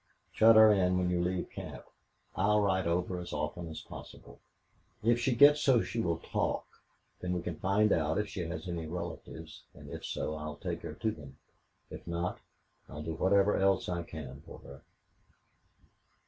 Shut her in when you leave camp. I'll ride over as often as possible. If she gets so she will talk, then we can find out if she has any relatives, and if so I'll take her to them. If not I'll do whatever else I can for her."